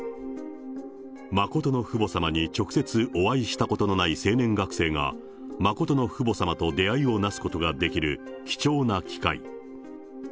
真の父母さまに直接お会いしたことのない青年学生が、真の父母さまと出会いをなすことができる貴重な機会。